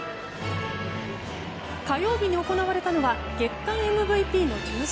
火曜日に行われたのは月間ＭＶＰの授与式。